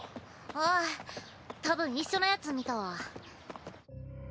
ああたぶん一緒のやつ見たわ。